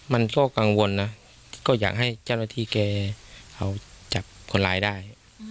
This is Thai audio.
มันก็กังวลนะก็อยากให้เจ้าหน้าที่แกเอาจับคนร้ายได้